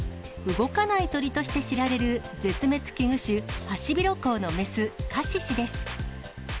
動かない鳥として知られる絶滅危惧種、ハシビロコウの雌、カシシです。